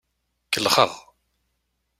Kellxeɣ.